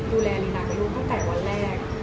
ดูแลลีนักไปตั้งแต่วันแรก